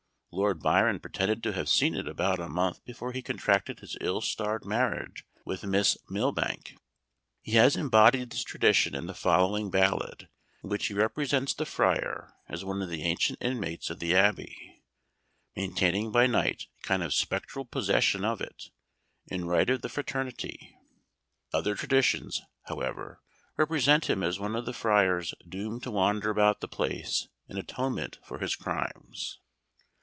Lord Byron pretended to have seen it about a month before he contracted his ill starred marriage with Miss Milbanke. He has embodied this tradition in the following ballad, in which he represents the friar as one of the ancient inmates of the Abbey, maintaining by night a kind of spectral possession of it, in right of the fraternity. Other traditions, however, represent him as one of the friars doomed to wander about the place in atonement for his crimes.